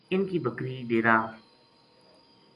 اِن کی بکری ڈیرا